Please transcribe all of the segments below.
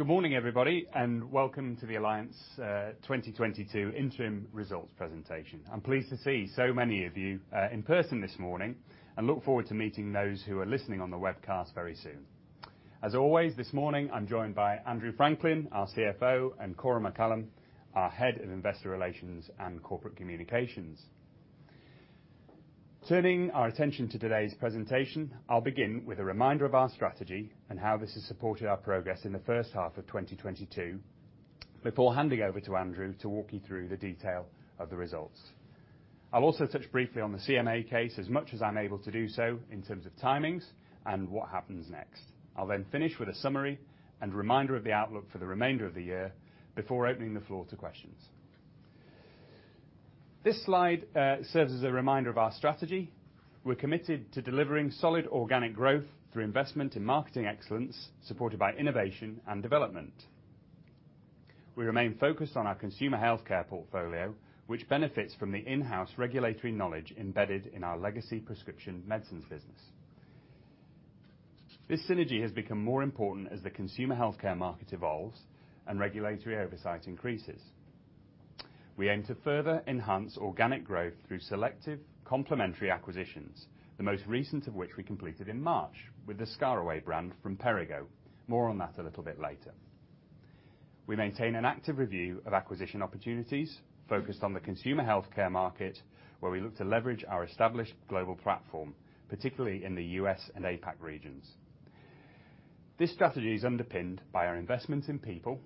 Good morning, everybody, and welcome to the Alliance 2022 interim results presentation. I'm pleased to see so many of you in person this morning and look forward to meeting those who are listening on the webcast very soon. As always, this morning I'm joined by Andrew Franklin, our CFO, and Cora McCallum, our head of Investor Relations and Corporate Communications. Turning our attention to today's presentation, I'll begin with a reminder of our strategy and how this has supported our progress in the first half of 2022 before handing over to Andrew to walk you through the detail of the results. I'll also touch briefly on the CMA case as much as I'm able to do so in terms of timings and what happens next. I'll then finish with a summary and reminder of the outlook for the remainder of the year before opening the floor to questions. This slide serves as a reminder of our strategy. We're committed to delivering solid organic growth through investment in marketing excellence, supported by innovation and development. We remain focused on our consumer healthcare portfolio, which benefits from the in-house regulatory knowledge embedded in our legacy prescription medicines business. This synergy has become more important as the consumer healthcare market evolves and regulatory oversight increases. We aim to further enhance organic growth through selective complementary acquisitions, the most recent of which we completed in March with the ScarAway brand from Perrigo. More on that a little bit later. We maintain an active review of acquisition opportunities focused on the consumer health care market, where we look to leverage our established global platform, particularly in the U.S. and APAC regions. This strategy is underpinned by our investment in people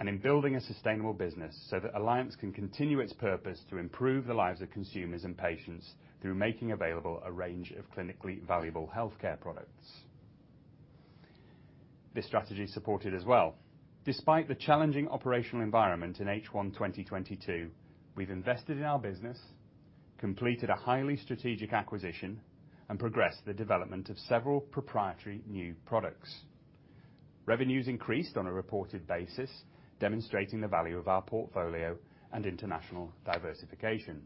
and in building a sustainable business so that Alliance can continue its purpose to improve the lives of consumers and patients through making available a range of clinically valuable health care products. This strategy is supported as well. Despite the challenging operational environment in H1 2022, we've invested in our business, completed a highly strategic acquisition, and progressed the development of several proprietary new products. Revenues increased on a reported basis, demonstrating the value of our portfolio and international diversification.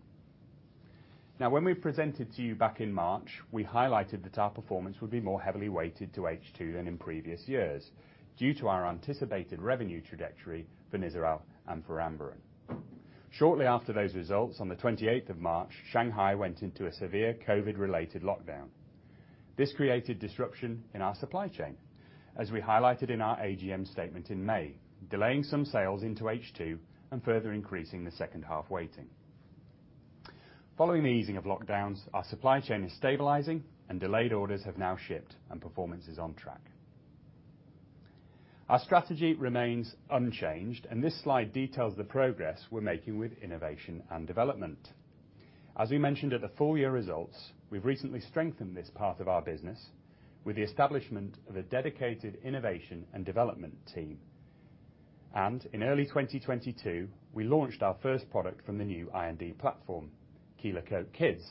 Now, when we presented to you back in March, we highlighted that our performance would be more heavily weighted to H2 than in previous years due to our anticipated revenue trajectory for Nizoral and for Amberen. Shortly after those results, on the 28th of March, Shanghai went into a severe COVID-related lockdown. This created disruption in our supply chain, as we highlighted in our AGM statement in May, delaying some sales into H2 and further increasing the second half weighting. Following the easing of lockdowns, our supply chain is stabilizing and delayed orders have now shipped and performance is on track. Our strategy remains unchanged, and this slide details the progress we're making with innovation and development. As we mentioned at the full year results, we've recently strengthened this part of our business with the establishment of a dedicated innovation and development team. In early 2022, we launched our first product from the new I&D platform, Kelo-cote Kids,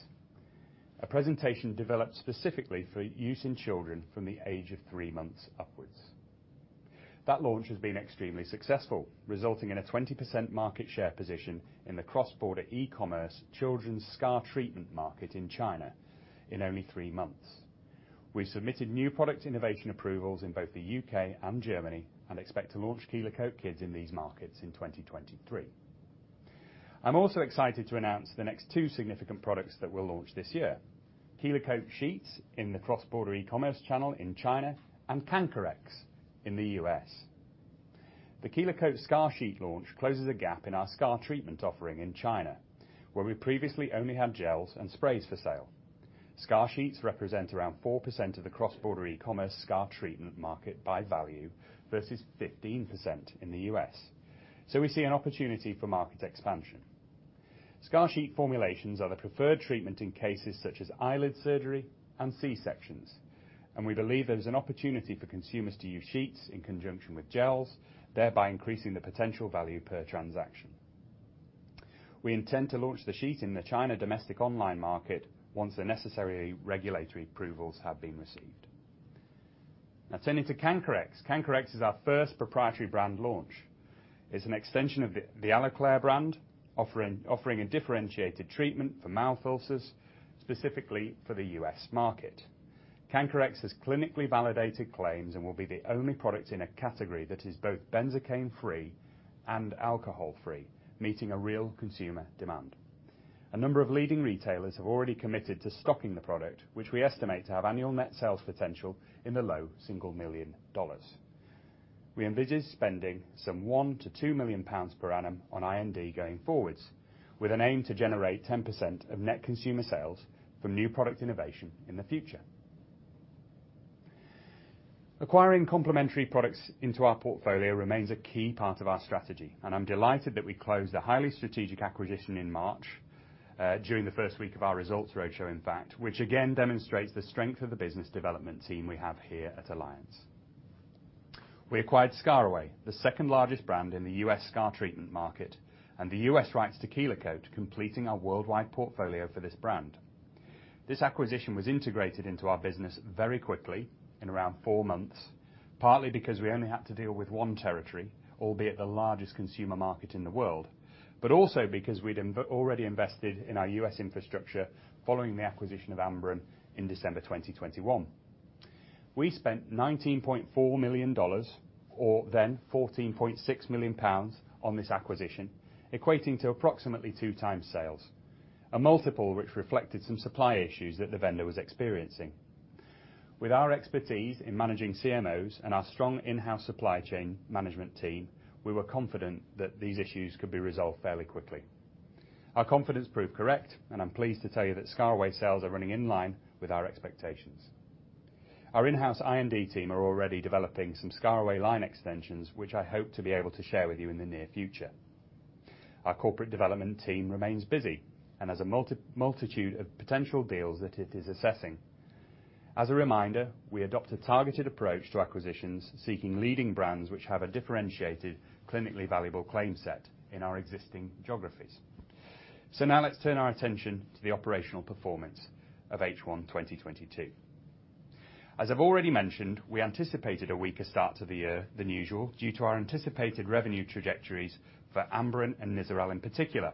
a presentation developed specifically for use in children from the age of three months upwards. That launch has been extremely successful, resulting in a 20% market share position in the cross-border e-commerce children's scar treatment market in China in only three months. We submitted new product innovation approvals in both the UK and Germany and expect to launch Kelo-cote Kids in these markets in 2023. I'm also excited to announce the next two significant products that we'll launch this year. Kelo-cote Sheets in the cross-border e-commerce channel in China and Canker-X in the US. The Kelo-cote Scar Sheet launch closes a gap in our scar treatment offering in China, where we previously only had gels and sprays for sale. Scar Sheets represent around 4% of the cross-border e-commerce scar treatment market by value versus 15% in the US. We see an opportunity for market expansion. Scar Sheet formulations are the preferred treatment in cases such as eyelid surgery and C-sections, and we believe there is an opportunity for consumers to use sheets in conjunction with gels, thereby increasing the potential value per transaction. We intend to launch the sheet in the China domestic online market once the necessary regulatory approvals have been received. Now turning to Canker-X. Canker-X is our first proprietary brand launch. It's an extension of the Aloclair brand offering, a differentiated treatment for mouth ulcers, specifically for the US market. Canker-X has clinically validated claims and will be the only product in a category that is both benzocaine-free and alcohol-free, meeting a real consumer demand. A number of leading retailers have already committed to stocking the product, which we estimate to have annual net sales potential in the low single million dollars. We envisage spending some 1 million-2 million pounds per annum on I&D going forwards, with an aim to generate 10% of net consumer sales from new product innovation in the future. Acquiring complementary products into our portfolio remains a key part of our strategy, and I'm delighted that we closed a highly strategic acquisition in March, during the first week of our results roadshow, in fact, which again demonstrates the strength of the business development team we have here at Alliance. We acquired ScarAway, the second largest brand in the U.S. scar treatment market and the U.S. rights to Kelo-cote, completing our worldwide portfolio for this brand. This acquisition was integrated into our business very quickly in around four months, partly because we only had to deal with one territory, albeit the largest consumer market in the world. Also because we'd already invested in our U.S. infrastructure following the acquisition of Amberen in December 2021. We spent $19.4 million, or then 14.6 million pounds on this acquisition, equating to approximately 2x sales. A multiple which reflected some supply issues that the vendor was experiencing. With our expertise in managing CMOs and our strong in-house supply chain management team, we were confident that these issues could be resolved fairly quickly. Our confidence proved correct, and I'm pleased to tell you that ScarAway sales are running in line with our expectations. Our in-house R&D team are already developing some ScarAway line extensions, which I hope to be able to share with you in the near future. Our corporate development team remains busy and has a multitude of potential deals that it is assessing. As a reminder, we adopt a targeted approach to acquisitions, seeking leading brands which have a differentiated, clinically valuable claim set in our existing geographies. Now let's turn our attention to the operational performance of H1 2022. As I've already mentioned, we anticipated a weaker start to the year than usual due to our anticipated revenue trajectories for Ambaren and Nizoral in particular.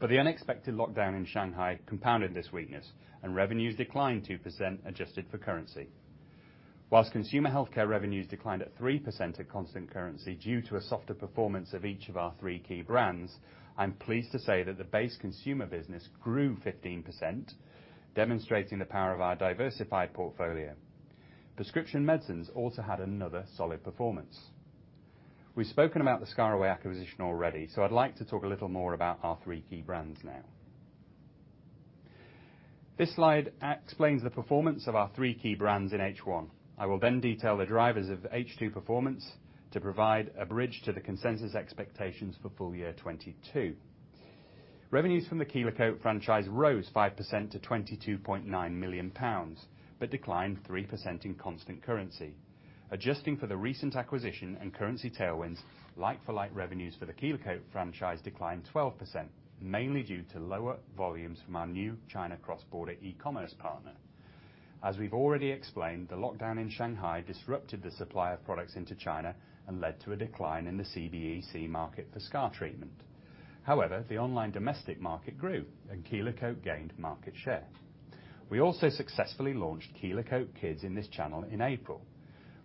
The unexpected lockdown in Shanghai compounded this weakness, and revenues declined 2% adjusted for currency. While consumer healthcare revenues declined 3% at constant currency due to a softer performance of each of our three key brands, I'm pleased to say that the base consumer business grew 15%, demonstrating the power of our diversified portfolio. Prescription medicines also had another solid performance. We've spoken about the ScarAway acquisition already, so I'd like to talk a little more about our three key brands now. This slide explains the performance of our three key brands in H1. I will then detail the drivers of H2 performance to provide a bridge to the consensus expectations for full year 2022. Revenues from the Kelo-cote franchise rose 5% to 22.9 million pounds, but declined 3% in constant currency. Adjusting for the recent acquisition and currency tailwinds, like-for-like revenues for the Kelo-cote franchise declined 12%, mainly due to lower volumes from our new China cross-border e-commerce partner. As we've already explained, the lockdown in Shanghai disrupted the supply of products into China and led to a decline in the CBEC market for scar treatment. However, the online domestic market grew and Kelo-cote gained market share. We also successfully launched Kelo-cote Kids in this channel in April.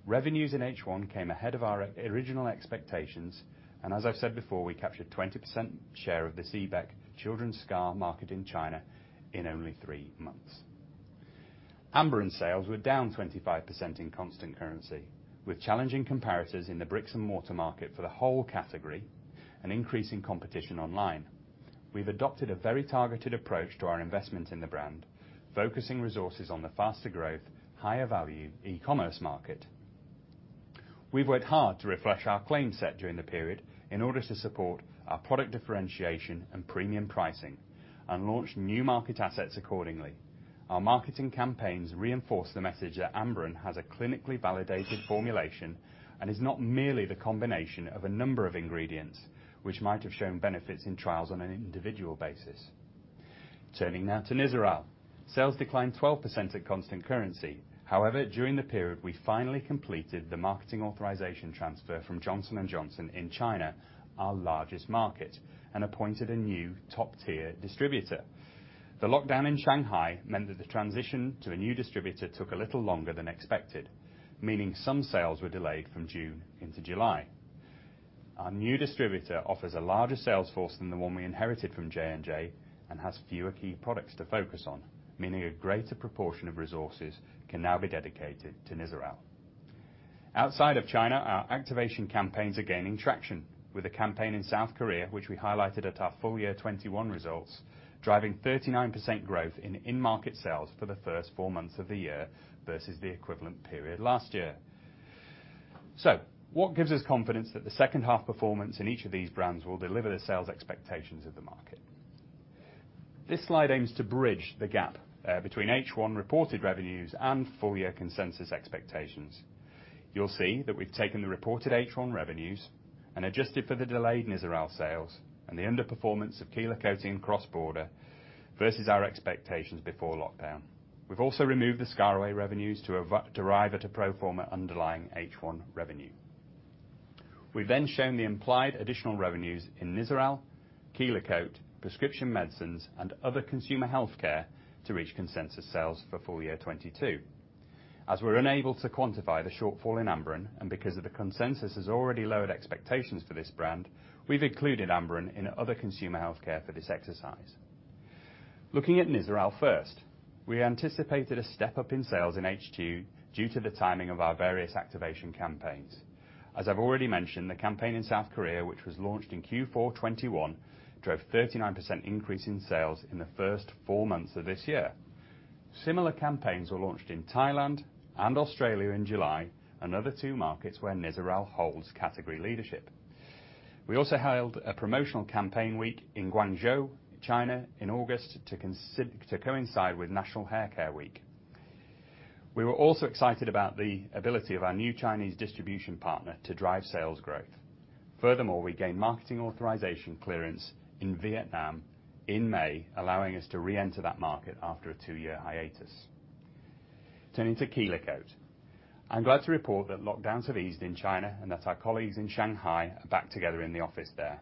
Revenues in H1 came ahead of our original expectations, and as I've said before, we captured 20% share of the CBEC children's scar market in China in only three months. Amberen sales were down 25% in constant currency, with challenging comparators in the bricks and mortar market for the whole category and increasing competition online. We've adopted a very targeted approach to our investment in the brand, focusing resources on the faster growth, higher value e-commerce market. We've worked hard to refresh our claim set during the period in order to support our product differentiation and premium pricing and launch new market assets accordingly. Our marketing campaigns reinforce the message that Amberen has a clinically validated formulation and is not merely the combination of a number of ingredients which might have shown benefits in trials on an individual basis. Turning now to Nizoral. Sales declined 12% at constant currency. However, during the period, we finally completed the marketing authorization transfer from Johnson & Johnson in China, our largest market, and appointed a new top-tier distributor. The lockdown in Shanghai meant that the transition to a new distributor took a little longer than expected, meaning some sales were delayed from June into July. Our new distributor offers a larger sales force than the one we inherited from J&J and has fewer key products to focus on, meaning a greater proportion of resources can now be dedicated to Nizoral. Outside of China, our activation campaigns are gaining traction with a campaign in South Korea, which we highlighted at our full year 2021 results, driving 39% growth in in-market sales for the first 4 months of the year versus the equivalent period last year. What gives us confidence that the second half performance in each of these brands will deliver the sales expectations of the market? This slide aims to bridge the gap between H1 reported revenues and full year consensus expectations. You'll see that we've taken the reported H1 revenues and adjusted for the delayed Nizoral sales and the underperformance of Kelo-cote in cross-border versus our expectations before lockdown. We've also removed the ScarAway revenues to arrive at a pro forma underlying H1 revenue. We've then shown the implied additional revenues in Nizoral, Kelo-cote, prescription medicines, and other consumer healthcare to reach consensus sales for full year 2022. We're unable to quantify the shortfall in Amberen, and because the consensus has already lowered expectations for this brand, we've included Amberen in other consumer healthcare for this exercise. Looking at Nizoral first, we anticipated a step-up in sales in H2 due to the timing of our various activation campaigns. I've already mentioned, the campaign in South Korea, which was launched in Q4 2021, drove 39% increase in sales in the first four months of this year. Similar campaigns were launched in Thailand and Australia in July, another two markets where Nizoral holds category leadership. We also held a promotional campaign week in Guangzhou, China in August to coincide with National Hair Care Week. We were also excited about the ability of our new Chinese distribution partner to drive sales growth. Furthermore, we gained marketing authorization clearance in Vietnam in May, allowing us to reenter that market after a two-year hiatus. Turning to Kelo-cote. I'm glad to report that lockdowns have eased in China, and that our colleagues in Shanghai are back together in the office there.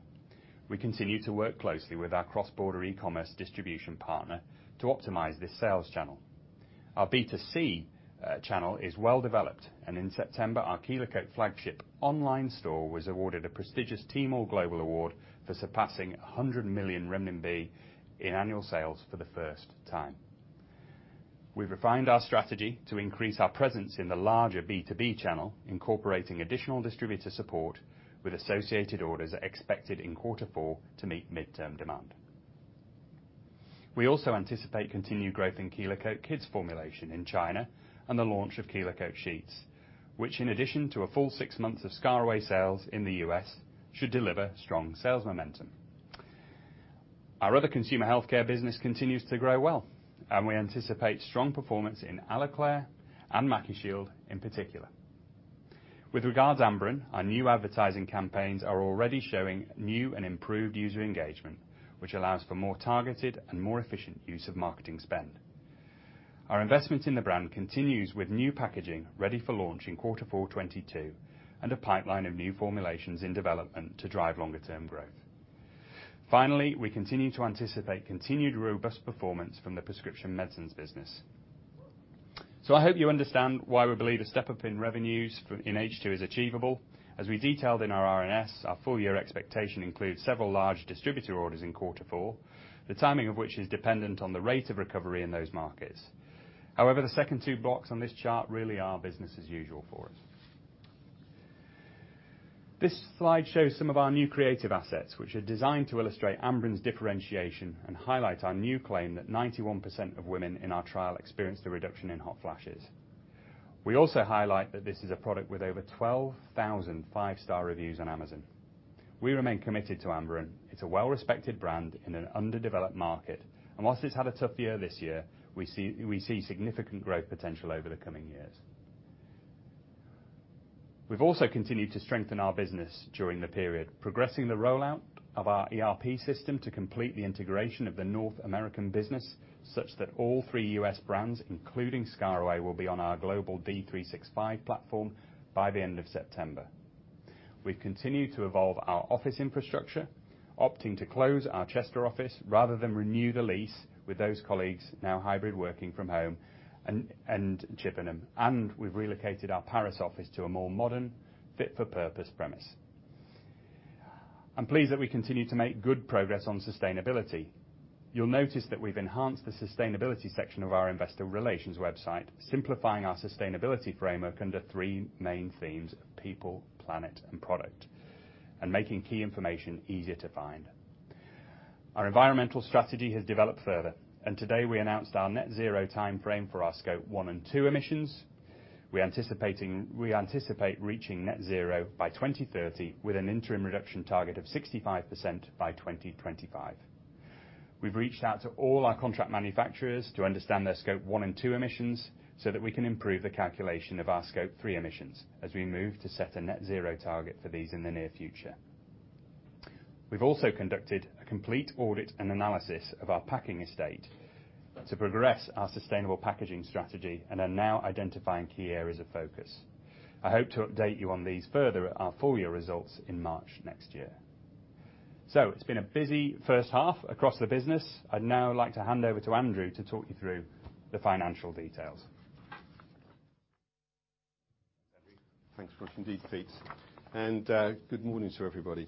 We continue to work closely with our cross-border e-commerce distribution partner to optimize this sales channel. Our B2C channel is well developed, and in September, our Kelo-cote flagship online store was awarded a prestigious Tmall Global award for surpassing 100 million renminbi in annual sales for the first time. We've refined our strategy to increase our presence in the larger B2B channel, incorporating additional distributor support with associated orders expected in quarter four to meet midterm demand. We also anticipate continued growth in Kelo-cote Kids formulation in China and the launch of Kelo-cote Sheets, which in addition to a full six months of ScarAway sales in the US, should deliver strong sales momentum. Our other consumer healthcare business continues to grow well, and we anticipate strong performance in Aloclair and MacuShield in particular. With regard to Amberen, our new advertising campaigns are already showing new and improved user engagement, which allows for more targeted and more efficient use of marketing spend. Our investment in the brand continues with new packaging ready for launch in quarter four 2022, and a pipeline of new formulations in development to drive longer term growth. Finally, we continue to anticipate continued robust performance from the prescription medicines business. I hope you understand why we believe a step-up in revenues in H2 is achievable. As we detailed in our RNS, our full year expectation includes several large distributor orders in quarter four, the timing of which is dependent on the rate of recovery in those markets. However, the second two blocks on this chart really are business as usual for us. This slide shows some of our new creative assets, which are designed to illustrate Amberen's differentiation and highlight our new claim that 91% of women in our trial experienced a reduction in hot flashes. We also highlight that this is a product with over 12,000 five-star reviews on Amazon. We remain committed to Amberen. It's a well-respected brand in an underdeveloped market, and while it's had a tough year this year, we see significant growth potential over the coming years. We've also continued to strengthen our business during the period, progressing the rollout of our ERP system to complete the integration of the North American business, such that all three US brands, including ScarAway, will be on our global D365 platform by the end of September. We've continued to evolve our office infrastructure, opting to close our Chester office rather than renew the lease with those colleagues now hybrid working from home, and Chippenham. We've relocated our Paris office to a more modern fit for purpose premise. I'm pleased that we continue to make good progress on sustainability. You'll notice that we've enhanced the sustainability section of our investor relations website, simplifying our sustainability framework under three main themes, people, planet, and product, and making key information easier to find. Our environmental strategy has developed further, and today, we announced our net zero timeframe for our Scope 1 and 2 emissions. We anticipate reaching net zero by 2030 with an interim reduction target of 65% by 2025. We've reached out to all our contract manufacturers to understand their Scope 1 and 2 emissions, so that we can improve the calculation of our Scope 3 emissions as we move to set a net zero target for these in the near future. We've also conducted a complete audit and analysis of our packaging estate to progress our sustainable packaging strategy and are now identifying key areas of focus. I hope to update you on these further at our full year results in March next year. It's been a busy first half across the business. I'd now like to hand over to Andrew to talk you through the financial details. Thanks very much indeed, Peter, and good morning to everybody.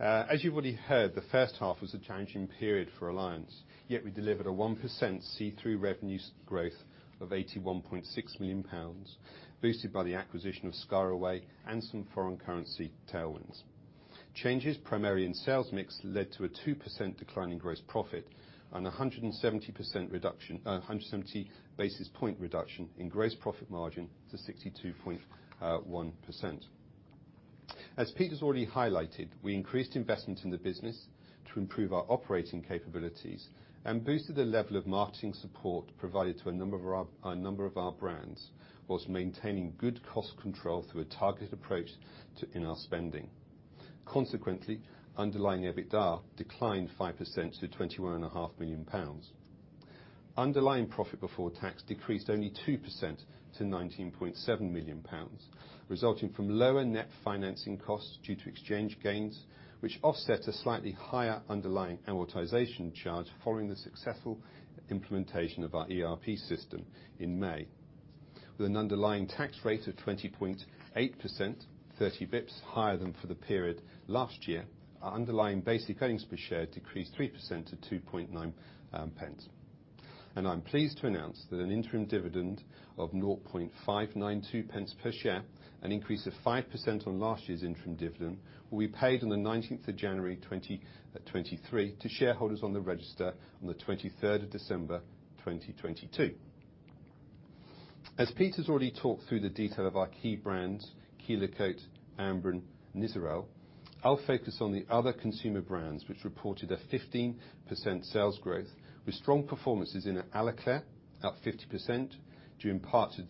As you've already heard, the first half was a challenging period for Alliance, yet we delivered a 1% see-through revenues growth of 81.6 million pounds, boosted by the acquisition of ScarAway and some foreign currency tailwinds. Changes primarily in sales mix led to a 2% decline in gross profit and a 170 basis point reduction in gross profit margin to 62.1%. As Pete has already highlighted, we increased investment in the business to improve our operating capabilities and boosted the level of marketing support provided to a number of our brands, while maintaining good cost control through a targeted approach to our spending. Consequently, underlying EBITDA declined 5% to 21.5 million pounds. Underlying profit before tax decreased only 2% to 19.7 million pounds, resulting from lower net financing costs due to exchange gains, which offset a slightly higher underlying amortization charge following the successful implementation of our ERP system in May. With an underlying tax rate of 20.8%, 30 basis points higher than for the period last year, our underlying basic earnings per share decreased 3% to 2.9 pence. I'm pleased to announce that an interim dividend of 0.592 pence per share, an increase of 5% on last year's interim dividend, will be paid on the nineteenth of January 2023 to shareholders on the register on the twenty-third of December 2022. As Pete has already talked through the detail of our key brands, Kelo-cote, Amberen, Nizoral, I'll focus on the other consumer brands which reported a 15% sales growth with strong performances in Aloclair, up 50%, due in part to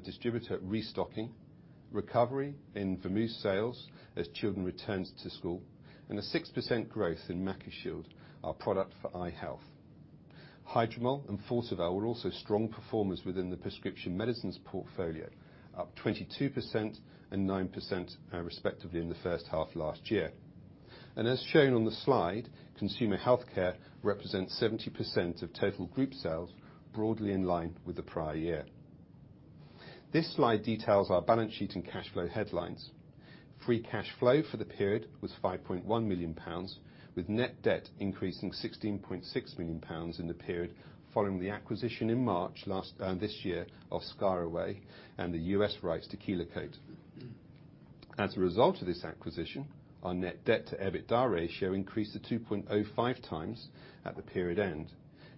distributor restocking, recovery in Vamousse sales as children returned to school, and a 6% growth in MacuShield, our product for eye health. Hydromol and Forceval were also strong performers within the prescription medicines portfolio, up 22% and 9%, respectively in the first half of last year. As shown on the slide, consumer healthcare represents 70% of total group sales, broadly in line with the prior year. This slide details our balance sheet and cash flow headlines. Free cash flow for the period was 5.1 million pounds, with net debt increasing 16.6 million pounds in the period following the acquisition in March last, this year of ScarAway and the US rights to Kelo-cote. As a result of this acquisition, our net debt to EBITDA ratio increased to 2.05 times at the period end,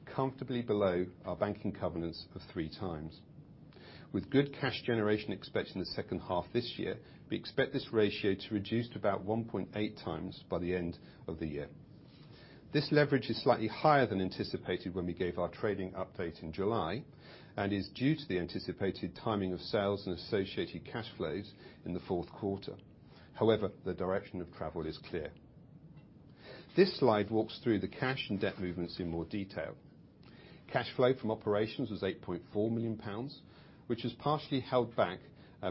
comfortably below our banking covenants of 3 times. With good cash generation expected in the second half this year, we expect this ratio to reduce to about 1.8 times by the end of the year. This leverage is slightly higher than anticipated when we gave our trading update in July, and is due to the anticipated timing of sales and associated cash flows in the fourth quarter. However, the direction of travel is clear. This slide walks through the cash and debt movements in more detail. Cash flow from operations was 8.4 million pounds, which was partially held back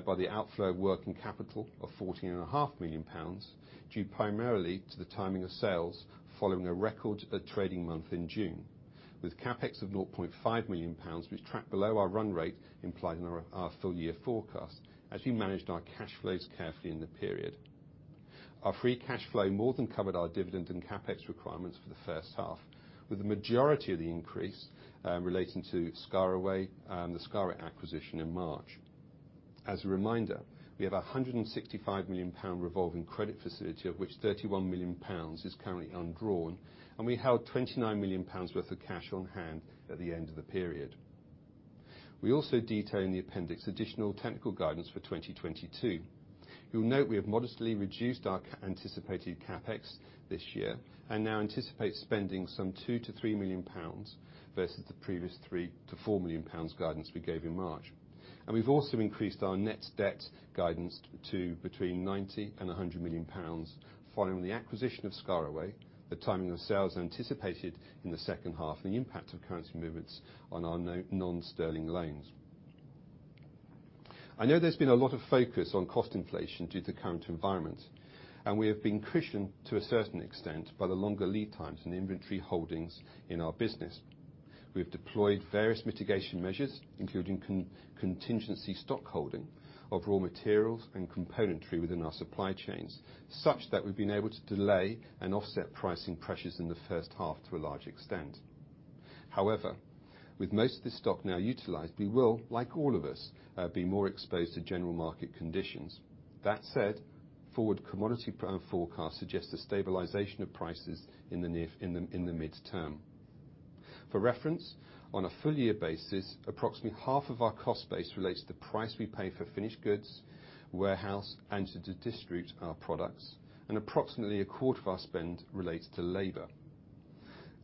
by the outflow of working capital of 14.5 million pounds, due primarily to the timing of sales following a record trading month in June. With CapEx of 0.5 million pounds, we track below our run rate implied in our full year forecast as we managed our cash flows carefully in the period. Our free cash flow more than covered our dividend and CapEx requirements for the first half, with the majority of the increase relating to ScarAway, the ScarAway acquisition in March. As a reminder, we have 165 million pound revolving credit facility, of which 31 million pounds is currently undrawn, and we held 29 million pounds worth of cash on hand at the end of the period. We also detail in the appendix additional technical guidance for 2022. You'll note we have modestly reduced our anticipated CapEx this year, and now anticipate spending some 2-3 million pounds versus the previous 3-4 million pounds guidance we gave in March. We've also increased our net debt guidance to between 90-100 million pounds following the acquisition of ScarAway, the timing of sales anticipated in the second half, and the impact of currency movements on our non-sterling loans. I know there's been a lot of focus on cost inflation due to the current environment, and we have been cushioned to a certain extent by the longer lead times in inventory holdings in our business. We have deployed various mitigation measures, including contingency stockholding of raw materials and componentry within our supply chains, such that we've been able to delay and offset pricing pressures in the first half to a large extent. However, with most of this stock now utilized, we will, like all of us, be more exposed to general market conditions. That said, forward commodity price forecast suggests a stabilization of prices in the near term, in the midterm. For reference, on a full year basis, approximately half of our cost base relates to the price we pay for finished goods, warehouse, and to distribute our products, and approximately a quarter of our spend relates to labor.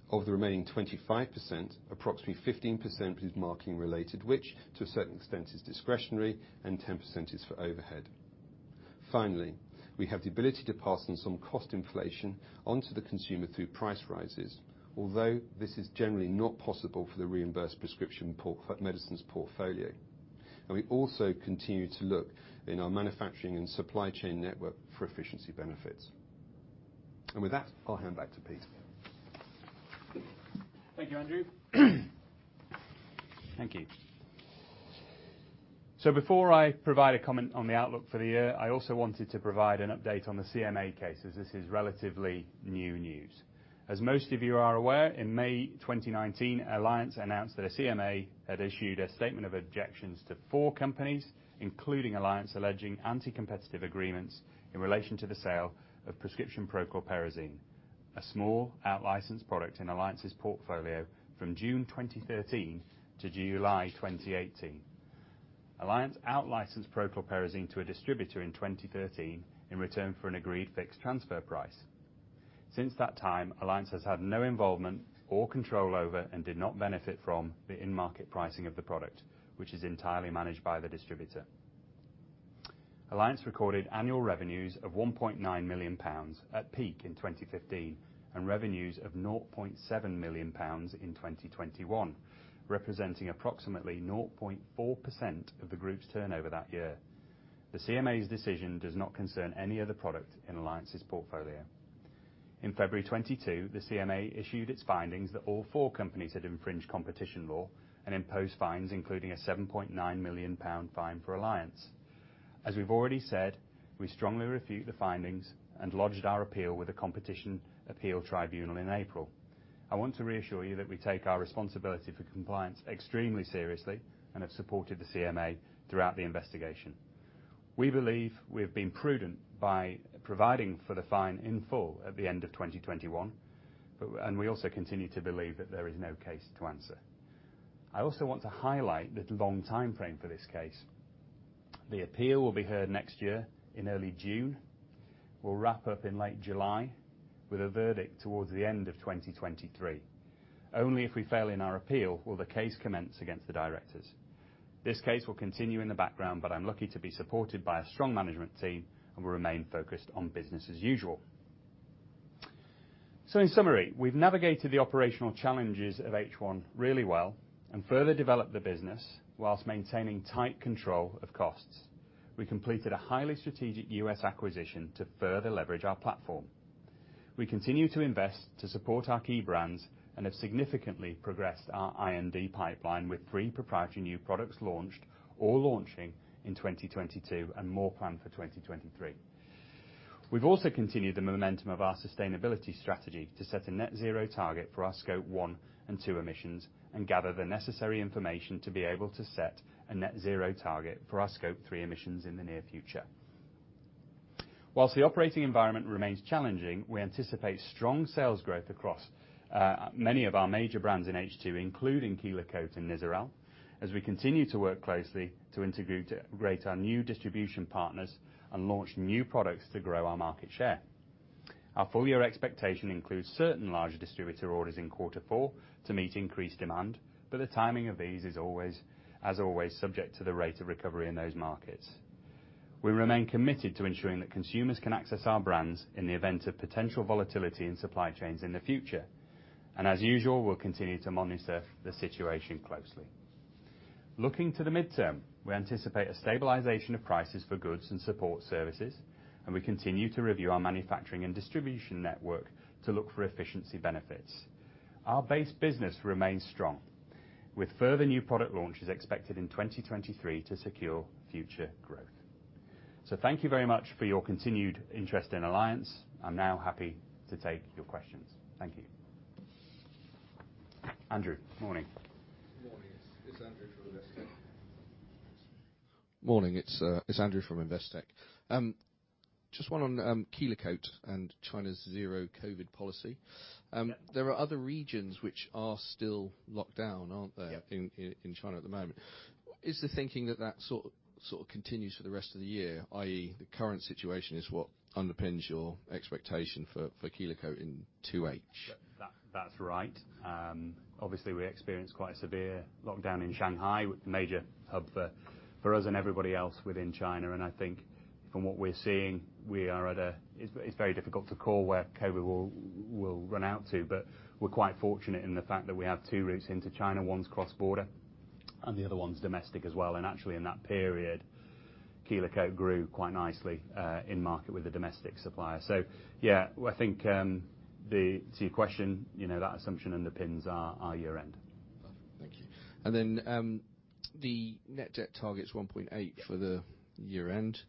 Of the remaining 25%, approximately 15% is marketing related, which to a certain extent is discretionary, and 10% is for overhead. Finally, we have the ability to pass on some cost inflation onto the consumer through price rises, although this is generally not possible for the reimbursed prescription medicines portfolio. We also continue to look in our manufacturing and supply chain network for efficiency benefits. With that, I'll hand back to Peter. Thank you, Andrew. Thank you. Before I provide a comment on the outlook for the year, I also wanted to provide an update on the CMA cases. This is relatively new news. As most of you are aware, in May 2019, Alliance announced that a CMA had issued a statement of objections to four companies, including Alliance, alleging anti-competitive agreements in relation to the sale of prescription prochlorperazine, a small out-licensed product in Alliance's portfolio from June 2013 to July 2018. Alliance out-licensed prochlorperazine to a distributor in 2013 in return for an agreed fixed transfer price. Since that time, Alliance has had no involvement or control over, and did not benefit from, the in-market pricing of the product, which is entirely managed by the distributor. Alliance recorded annual revenues of 1.9 million pounds at peak in 2015, and revenues of 0.7 million pounds in 2021, representing approximately 0.4% of the group's turnover that year. The CMA's decision does not concern any other product in Alliance's portfolio. In February 2022, the CMA issued its findings that all four companies had infringed competition law and imposed fines, including a 7.9 million pound fine for Alliance. We've already said, we strongly refute the findings and lodged our appeal with the Competition Appeal Tribunal in April. I want to reassure you that we take our responsibility for compliance extremely seriously and have supported the CMA throughout the investigation. We believe we have been prudent by providing for the fine in full at the end of 2021, but we also continue to believe that there is no case to answer. I also want to highlight the long timeframe for this case. The appeal will be heard next year in early June, will wrap up in late July with a verdict towards the end of 2023. Only if we fail in our appeal will the case commence against the directors. This case will continue in the background, but I'm lucky to be supported by a strong management team, and we remain focused on business as usual. In summary, we've navigated the operational challenges of H1 really well and further developed the business while maintaining tight control of costs. We completed a highly strategic US acquisition to further leverage our platform. We continue to invest to support our key brands and have significantly progressed our I&D pipeline with three proprietary new products launched or launching in 2022, and more planned for 2023. We've also continued the momentum of our sustainability strategy to set a net zero target for our Scope 1 and Scope 2 emissions and gather the necessary information to be able to set a net zero target for our Scope 3 emissions in the near future. While the operating environment remains challenging, we anticipate strong sales growth across many of our major brands in H2, including Kelo-cote and Nizoral, as we continue to work closely to integrate our new distribution partners and launch new products to grow our market share. Our full year expectation includes certain large distributor orders in quarter four to meet increased demand, but the timing of these is always, as always subject to the rate of recovery in those markets. We remain committed to ensuring that consumers can access our brands in the event of potential volatility in supply chains in the future. As usual, we'll continue to monitor the situation closely. Looking to the midterm, we anticipate a stabilization of prices for goods and support services, and we continue to review our manufacturing and distribution network to look for efficiency benefits. Our base business remains strong, with further new product launches expected in 2023 to secure future growth. Thank you very much for your continued interest in Alliance. I'm now happy to take your questions. Thank you. Andrew, morning. Morning, it's Andrew from Investec. Just one on Kelo-cote and China's zero COVID policy. There are other regions which are still locked down, aren't there? Yep ...in China at the moment. Is the thinking that that sort of continues for the rest of the year, i.e., the current situation is what underpins your expectation for Kelo-cote in 2H? That's right. Obviously we experienced quite a severe lockdown in Shanghai with the major hub for us and everybody else within China. I think from what we're seeing, we are at a, it's very difficult to call where COVID will run out to. We're quite fortunate in the fact that we have two routes into China. One's cross-border and the other one's domestic as well. Actually in that period, Kelo-cote grew quite nicely in market with a domestic supplier. Yeah, I think to your question, you know, that assumption underpins our year-end. Perfect. Thank you. Then, the net debt target's 1.8 for the year-end.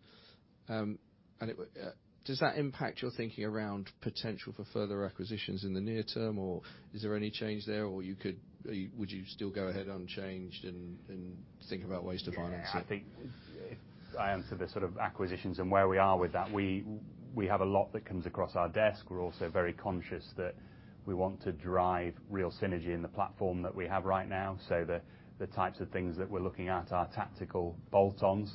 Does that impact your thinking around potential for further acquisitions in the near term, or is there any change there? Would you still go ahead unchanged and think about ways to finance it? Yeah, I think if I answer the sort of acquisitions and where we are with that, we have a lot that comes across our desk. We're also very conscious that we want to drive real synergy in the platform that we have right now. The types of things that we're looking at are tactical bolt-ons,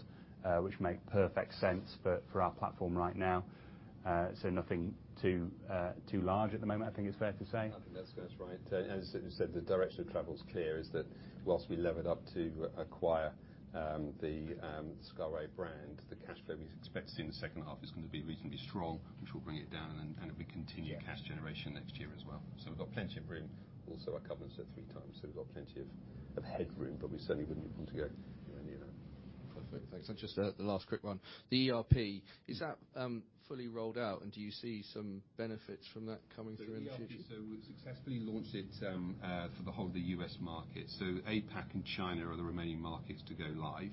which make perfect sense for our platform right now. Nothing too large at the moment, I think it's fair to say. I think that's right. As you said, the direction of travel is clear, that while we levered up to acquire the ScarAway brand, the cash flow we expect to see in the second half is gonna be reasonably strong, which will bring it down and it'll be continued cash generation next year as well. We've got plenty of room. Also our covenant's at three times, so we've got plenty of headroom, but we certainly wouldn't want to go near any of that. Perfect. Thanks. Just the last quick one. The ERP, is that fully rolled out, and do you see some benefits from that coming through in the future? The ERP, we've successfully launched it for the whole of the U.S. market. APAC and China are the remaining markets to go live.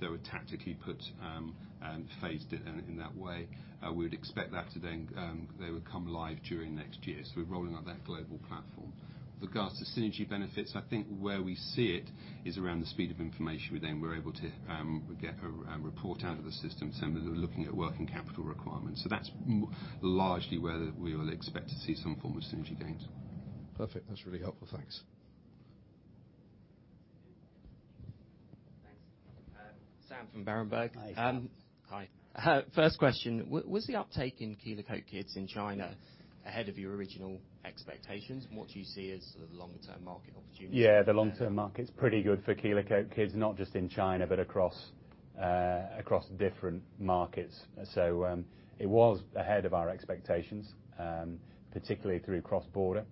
They were tactically put, phased in that way. We'd expect that they would come live during next year. We're rolling out that global platform. With regards to synergy benefits, I think where we see it is around the speed of information within. We're able to get a report out of the system, looking at working capital requirements. That's largely where we will expect to see some form of synergy gains. Perfect. That's really helpful. Thanks. Thanks. Sam from Berenberg. Hi, Sam. Hi. First question. Was the uptake in Kelo-cote Kids in China ahead of your original expectations? And what do you see as the long-term market opportunity? Yeah, the long-term market's pretty good for Kelo-cote Kids, not just in China, but across different markets. It was ahead of our expectations, particularly through cross-border.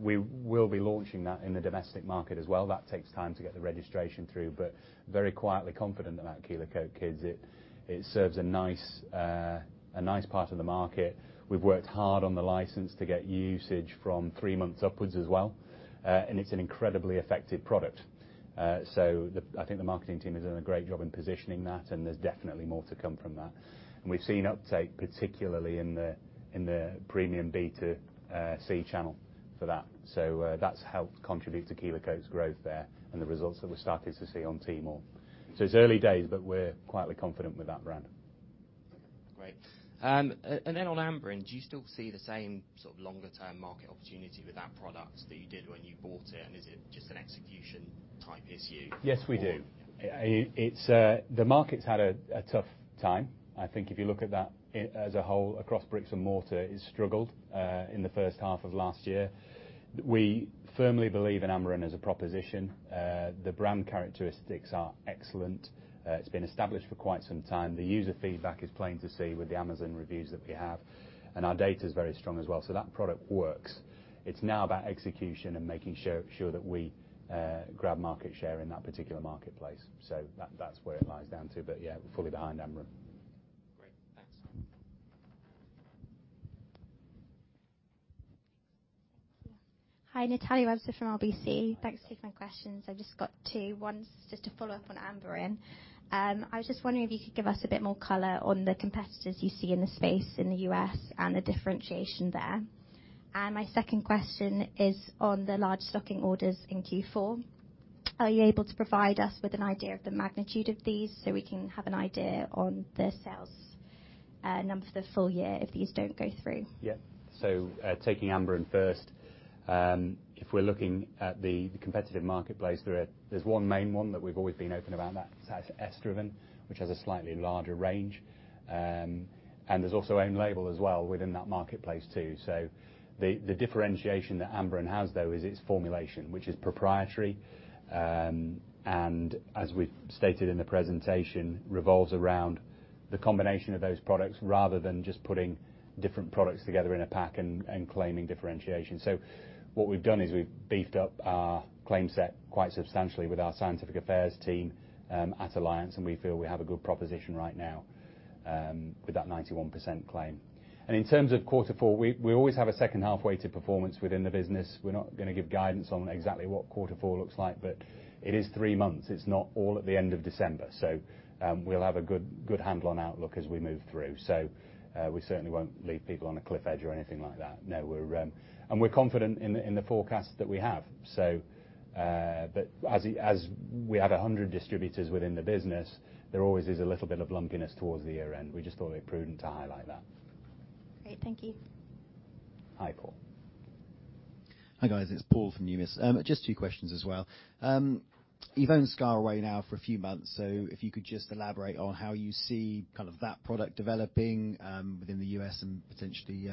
We will be launching that in the domestic market as well. That takes time to get the registration through, but very quietly confident about Kelo-cote Kids. It serves a nice part of the market. We've worked hard on the license to get usage from three months upwards as well. And it's an incredibly effective product. The marketing team has done a great job in positioning that, and there's definitely more to come from that. We've seen uptake, particularly in the premium B2C channel for that. That's helped contribute to Kelo-cote's growth there and the results that we're starting to see on Tmall. It's early days, but we're quietly confident with that brand. Great. On Amberen, do you still see the same sort of longer-term market opportunity with that product that you did when you bought it, and is it just an execution-type issue? Yes, we do. It's the market's had a tough time. I think if you look at that, it as a whole across bricks and mortar, it struggled in the first half of last year. We firmly believe in Ambaren as a proposition. The brand characteristics are excellent. It's been established for quite some time. The user feedback is plain to see with the Amazon reviews that we have, and our data is very strong as well. That product works. It's now about execution and making sure that we grab market share in that particular marketplace. That, that's where it boils down to. Yeah, we're fully behind Ambaren. Great. Thanks. Hi, Natalia Webster from RBC. Hi, Natalia. Thanks for taking my questions. I've just got two. One's just to follow up on Amberen. I was just wondering if you could give us a bit more color on the competitors you see in the space in the US and the differentiation there. My second question is on the large stocking orders in Q4. Are you able to provide us with an idea of the magnitude of these so we can have an idea on the sales number for the full year if these don't go through? Yeah. Taking Amberen first, if we're looking at the competitive marketplace, there's one main one that we've always been open about. That's Estroven which has a slightly larger range. There's also own label as well within that marketplace. The differentiation that Amberen has though is its formulation which is proprietary, and as we've stated in the presentation, revolves around the combination of those products rather than just putting different products together in a pack and claiming differentiation. What we've done is we've beefed up our claim set quite substantially with our scientific affairs team at Alliance, and we feel we have a good proposition right now with that 91% claim. In terms of quarter four, we always have a second half weighted performance within the business. We're not gonna give guidance on exactly what quarter four looks like, but it is three months. It's not all at the end of December. We'll have a good handle on outlook as we move through. We certainly won't leave people on a cliff edge or anything like that. No, we're confident in the forecast that we have. As we have 100 distributors within the business, there always is a little bit of lumpiness towards the year-end. We just thought it prudent to highlight that. Great. Thank you. Hi, Paul. Hi, guys. It's Paul from Numis. Just two questions as well. You've owned ScarAway now for a few months, so if you could just elaborate on how you see kind of that product developing within the U.S. and potentially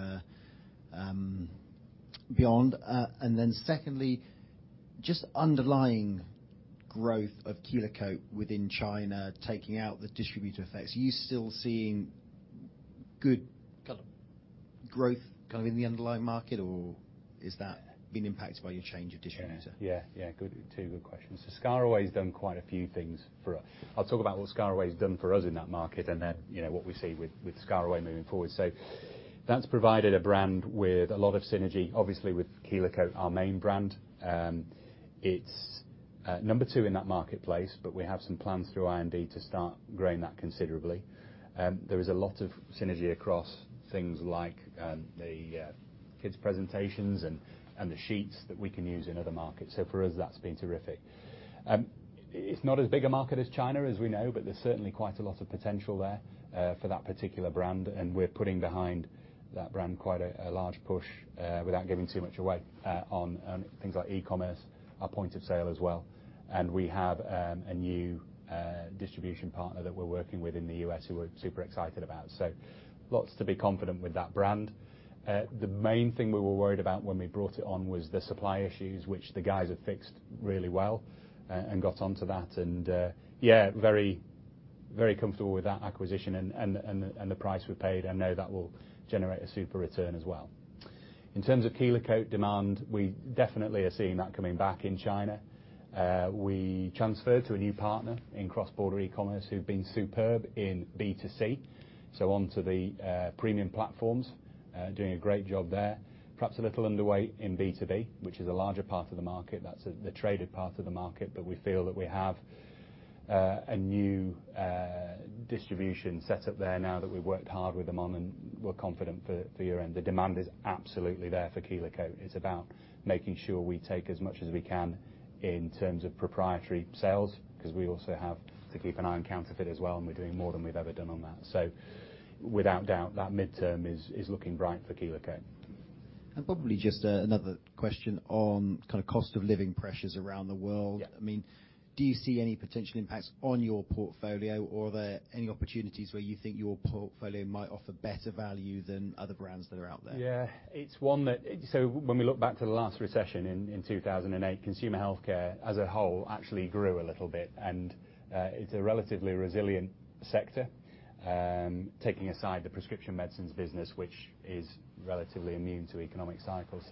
beyond. Secondly, just underlying growth of Kelo-Cote within China, taking out the distributor effects, are you still seeing good kind of growth kind of in the underlying market, or is that being impacted by your change of distributor? Good. Two good questions. ScarAway's done quite a few things for us. I'll talk about what ScarAway's done for us in that market and then what we see with ScarAway moving forward. That's provided a brand with a lot of synergy, obviously with Kelo-Cote, our main brand. It's number two in that marketplace, but we have some plans through R&D to start growing that considerably. There is a lot of synergy across things like the kids presentations and the sheets that we can use in other markets. For us, that's been terrific. It's not as big a market as China, as we know, but there's certainly quite a lot of potential there for that particular brand, and we're putting behind that brand quite a large push without giving too much away on things like e-commerce, our point of sale as well. We have a new distribution partner that we're working with in the U.S. who we're super excited about. Lots to be confident with that brand. The main thing we were worried about when we brought it on was the supply issues which the guys have fixed really well and got onto that. Yeah, very, very comfortable with that acquisition and the price we paid. I know that will generate a super return as well. In terms of Kelo-Cote demand, we definitely are seeing that coming back in China. We transferred to a new partner in cross-border e-commerce who've been superb in B2C, so onto the premium platforms doing a great job there. Perhaps a little underweight in B2B which is a larger part of the market. That's the traded part of the market. We feel that we have a new distribution set up there now that we've worked hard with them on, and we're confident for year-end. The demand is absolutely there for Kelo-cote. It's about making sure we take as much as we can in terms of proprietary sales because we also have to keep an eye on counterfeit as well, and we're doing more than we've ever done on that. Without doubt, that midterm is looking bright for Kelo-cote. Probably just another question on kind of cost of living pressures around the world. Yeah. I mean, do you see any potential impacts on your portfolio, or are there any opportunities where you think your portfolio might offer better value than other brands that are out there? When we look back to the last recession in 2008, consumer healthcare as a whole actually grew a little bit, and it's a relatively resilient sector, taking aside the prescription medicines business which is relatively immune to economic cycles.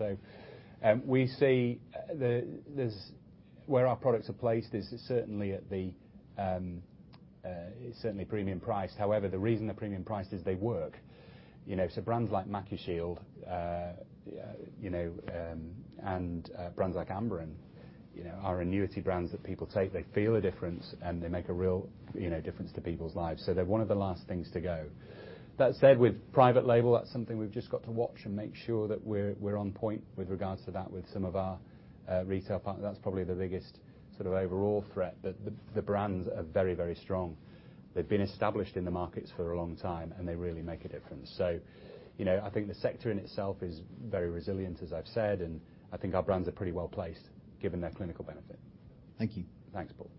Where our products are placed is certainly premium priced. However, the reason they're premium priced is they work. You know, brands like MacuShield and brands like Amberen, you know, are annuity brands that people take. They feel a difference, and they make a real, you know, difference to people's lives. They're one of the last things to go. That said, with private label, that's something we've just got to watch and make sure that we're on point with regards to that with some of our retail partners. That's probably the biggest sort of overall threat. The brands are very, very strong. They've been established in the markets for a long time, and they really make a difference. You know, I think the sector in itself is very resilient, as I've said, and I think our brands are pretty well-placed given their clinical benefit. Thank you. Thanks, Paul.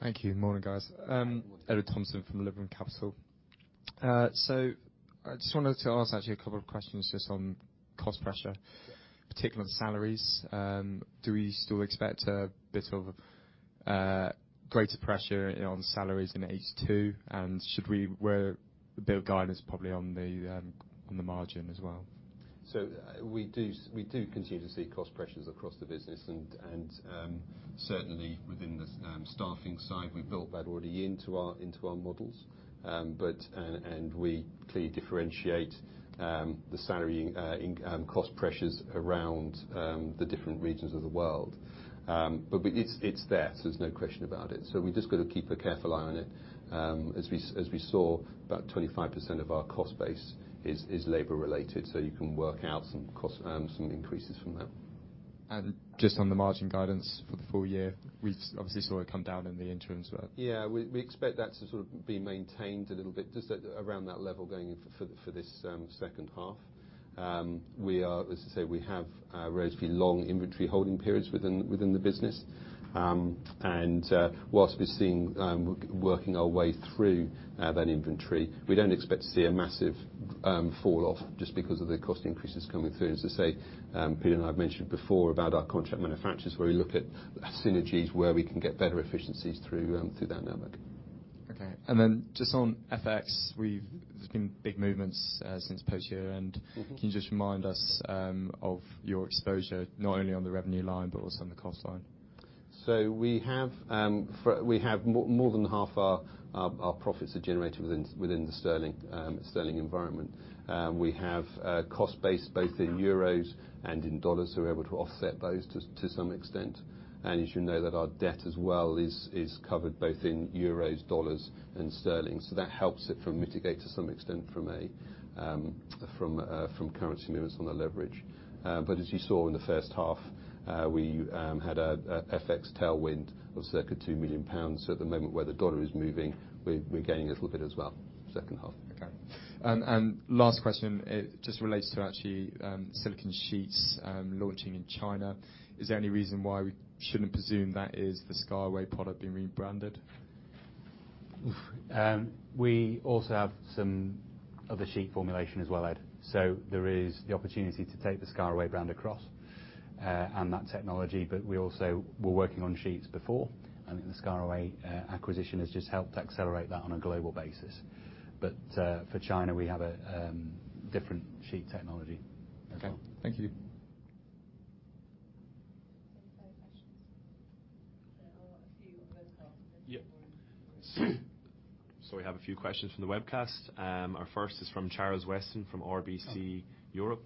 Thank you. Morning, guys. Ed Thompson from Liberum Capital. I just wanted to ask actually a couple of questions just on cost pressure, particularly on salaries. Do we still expect a bit of greater pressure on salaries in H2? And should we build guidance probably on the margin as well? We do continue to see cost pressures across the business. Certainly within the staffing side, we built that already into our models. We clearly differentiate the salary cost pressures around the different regions of the world. It's there, so there's no question about it. We've just got to keep a careful eye on it. As we saw, about 25% of our cost base is labor related, so you can work out some cost increases from that. Just on the margin guidance for the full year, we obviously saw it come down in the interim as well. We expect that to sort of be maintained a little bit, just at around that level going in for this second half. We are, as I say, we have relatively long inventory holding periods within the business. While we're working our way through that inventory, we don't expect to see a massive fall off just because of the cost increases coming through. As I say, Peter and I've mentioned before about our contract manufacturers, where we look at synergies where we can get better efficiencies through that network. Okay. Just on FX, there's been big movements since post-year-end. Mm-hmm. Can you just remind us of your exposure, not only on the revenue line, but also on the cost line? We have more than half our profits generated within the sterling environment. We have a cost base both in euros and in dollars, so we're able to offset those to some extent. You should know that our debt as well is covered both in euros, dollars, and sterling. That helps to mitigate to some extent from currency movements on the leverage. As you saw in the first half, we had a FX tailwind of circa 2 million pounds. At the moment where the dollar is moving, we're gaining a little bit as well, second half. Okay. Last question. It just relates to actually, Silicone Sheets, launching in China. Is there any reason why we shouldn't presume that is the ScarAway product being rebranded? We also have some other sheet formulation as well, Ed. There is the opportunity to take the ScarAway brand across, and that technology. We also were working on sheets before, and the ScarAway acquisition has just helped accelerate that on a global basis. For China, we have a different sheet technology as well. Okay. Thank you. Any further questions? A few webcasts. Yep. We have a few questions from the webcast. Our first is from Charles Weston from RBC Europe.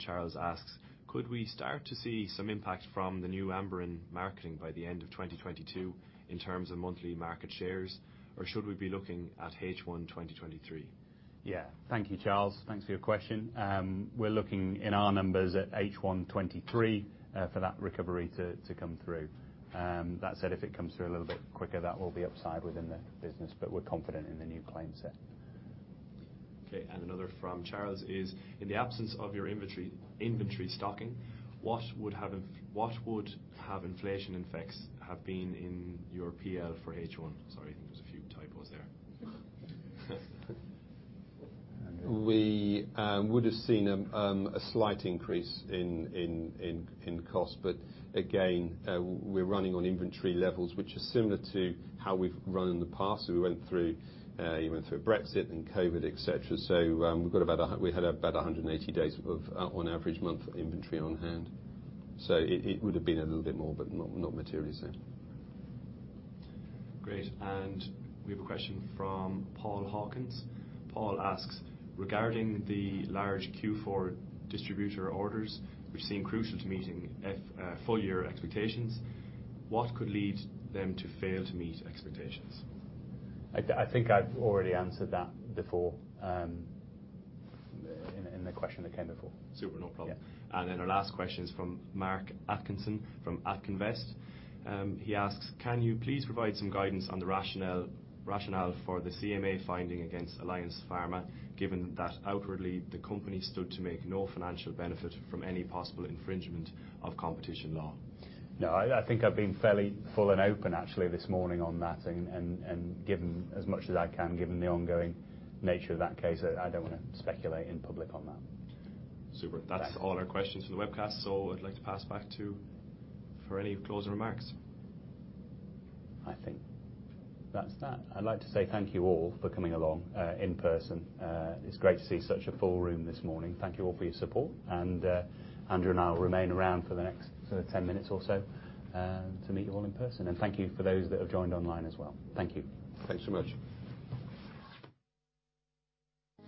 Charles asks, "Could we start to see some impact from the new Amberen marketing by the end of 2022 in terms of monthly market shares? Or should we be looking at H1 2023? Thank you, Charles. Thanks for your question. We're looking in our numbers at H1 2023 for that recovery to come through. That said, if it comes through a little bit quicker, that will be upside within the business, but we're confident in the new claim set. Okay. Another from Charles is, "In the absence of your inventory stocking, what would have inflation effects have been in your P&L for H1?" Sorry, I think there's a few typos there. We would have seen a slight increase in cost. Again, we're running on inventory levels which are similar to how we've run in the past. We went through Brexit and COVID, et cetera. We've had about 180 days of on average month inventory on hand. It would have been a little bit more, but not materially so. Great. We have a question from Paul Cuddon. Paul asks, "Regarding the large Q4 distributor orders, which seem crucial to meeting full year expectations, what could lead them to fail to meet expectations? I think I've already answered that before, in the question that came before. Super. No problem. Yeah. Our last question is from Mark Atkinson, from Atkinvest. He asks, "Can you please provide some guidance on the rationale for the CMA finding against Alliance Pharma, given that outwardly the company stood to make no financial benefit from any possible infringement of competition law? No, I think I've been fairly full and open actually this morning on that and given as much as I can, given the ongoing nature of that case. I don't wanna speculate in public on that. Super. Yeah. That's all our questions for the webcast. I'd like to pass back to you for any closing remarks. I think that's that. I'd like to say thank you all for coming along in person. It's great to see such a full room this morning. Thank you all for your support. Andrew and I will remain around for the next sort of 10 minutes or so to meet you all in person. Thank you for those that have joined online as well. Thank you. Thanks so much.